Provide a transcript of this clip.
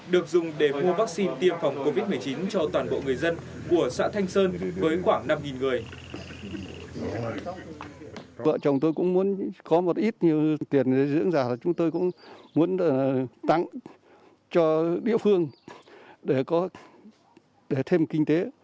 được dùng để mua vaccine tiêm phòng covid một mươi chín cho toàn bộ người dân của xã thanh sơn với khoảng năm người